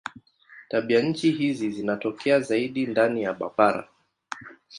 Tabianchi hizi zinatokea zaidi ndani ya mabara.